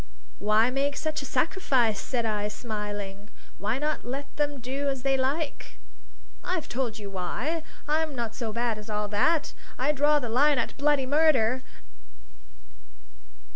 "Why make such a sacrifice?" said I, smiling. "Why not let them do as they like?" "I've told you why! I'm not so bad as all that. I draw the line at bloody murder!